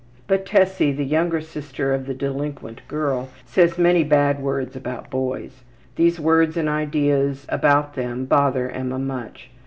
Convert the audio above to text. But Tessie, the younger sister of the delinquent girl, says many bad words about boys. These words and ideas about them bother Emma much.